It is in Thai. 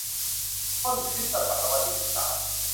ต้นคริสต์ศตวรรษที่ สิบสาม